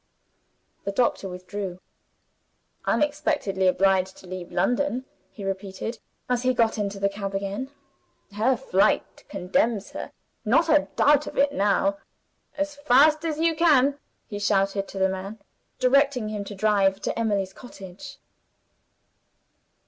The doctor withdrew. "Unexpectedly obliged to leave London," he repeated, as he got into the cab again. "Her flight condemns her: not a doubt of it now. As fast as you can!" he shouted to the man; directing him to drive to Emily's cottage.